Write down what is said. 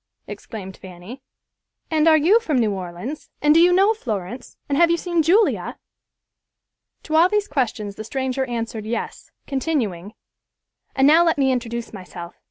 exclaimed Fanny. "And are you from New Orleans, and do you know Florence, and have you seen Julia?" To all these questions the stranger answered "Yes," continuing, "and now let me introduce myself.